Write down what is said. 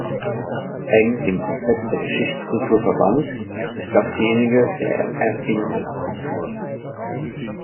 Eng dem Konzept der Geschichtskultur verwandt ist dasjenige der Erinnerungskultur.